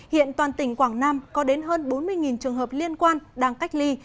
hiện toàn tỉnh quảng nam có đến hơn bốn mươi trường hợp liên quan đang cách ly